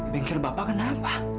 bengkel bapak kenapa